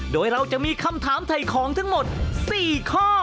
โดยเราจะมีคำถามถ่ายของทั้งหมด๔ข้อ